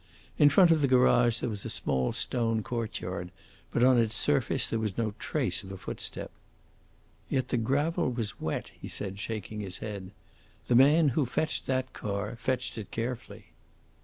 In front of the garage there was a small stone courtyard, but on its surface there was no trace of a footstep. "Yet the gravel was wet," he said, shaking his head. "The man who fetched that car fetched it carefully."